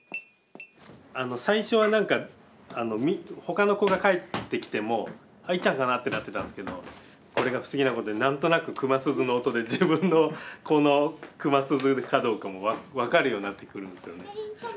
最初は何かほかの子が帰ってきても「いっちゃんかな？」ってなってたんですけどこれが不思議なことに何となく熊鈴の音で自分の子の熊鈴かどうかもわかるようになってくるんですよね。